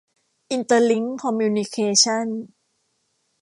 อินเตอร์ลิ้งค์ คอมมิวนิเคชั่น